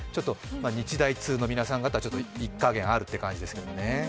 日大通の皆さん、ちょっと一家言あるという感じですかね。